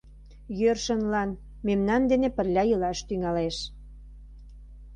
Йӧршынлан... мемнан дене пырля илаш тӱҥалеш.